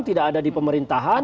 tidak ada di pemerintahan